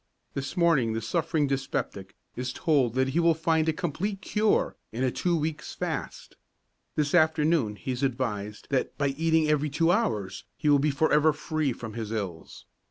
This morning the suffering dyspeptic is told that he will find a complete cure in a two weeks' fast; this afternoon he is advised that by eating every two hours he will be forever free from his ills.